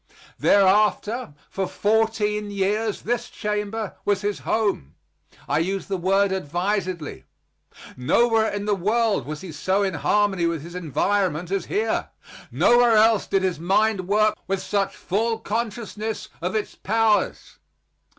Thereafter for fourteen years this chamber was his home. I use the word advisedly. Nowhere in the world was he so in harmony with his environment as here; nowhere else did his mind work with such full consciousness of its powers.